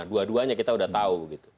dua duanya kita udah tahu gitu